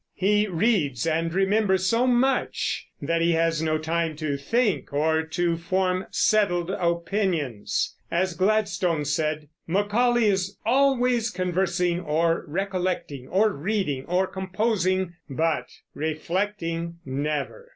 He reads and remembers so much that he has no time to think or to form settled opinions. As Gladstone said, Macaulay is "always conversing or recollecting or reading or composing, but reflecting never."